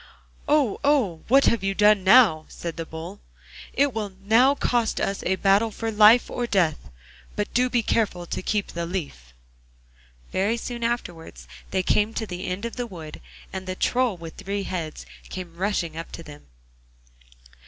'Oh! oh! What have you done now?' said the Bull. 'It will now cost us a battle for life or death; but do be careful to keep the leaf.' Very soon afterwards they came to the end of the wood, and the Troll with three heads came rushing up to them.